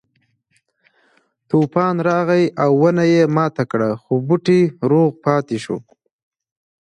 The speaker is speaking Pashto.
طوفان راغی او ونه یې ماته کړه خو بوټی روغ پاتې شو.